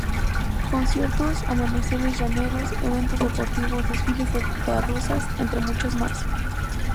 Conciertos, amaneceres llaneros, eventos deportivos, desfiles de carrozas, entre muchas más.